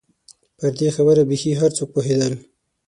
پر دې خبره بېخي هر څوک پوهېدل.